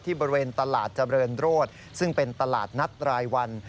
บริเวณตลาดเจริญโรศซึ่งเป็นตลาดนัดรายวัน